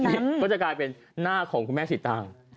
นี่ก็จะกลายเป็นหน้าของคุณแม่สีตาง